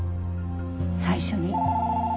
最初に。